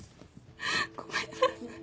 ごめんなさい。